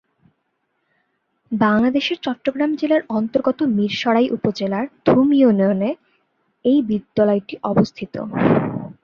বাংলাদেশের চট্টগ্রাম জেলার অন্তর্গত মীরসরাই উপজেলার ধুম ইউনিয়নে এ বিদ্যালয়টি অবস্থিত।